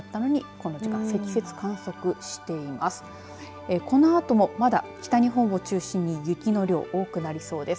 このあとも、まだ北日本を中心に雪の量、多くなりそうです。